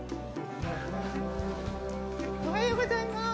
おはようございます！